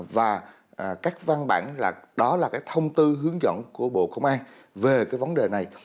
và các văn bản đó là cái thông tư hướng dẫn của bộ công an về cái vấn đề này